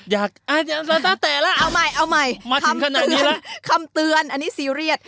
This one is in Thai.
อยากอ่าแต่ละเอาใหม่เอาใหม่มาถึงขนาดนี้ละคำเตือนคำเตือนอันนี้ซีเรียส